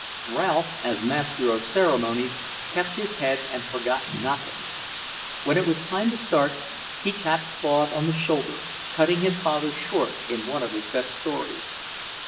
Ralph, as master of ceremonies, kept his head and forgot nothing. When it was time to start, he tapped Claude on the shoulder, cutting his father short in one of his best stories.